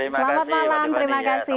selamat malam terima kasih